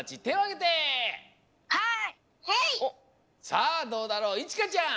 さあどうだろういちかちゃん。